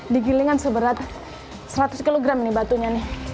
digiling kan seberat seratus kg ini batunya